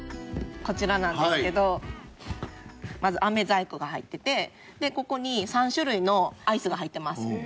こちらなんですけどまず飴細工が入っててでここに３種類のアイスが入ってます。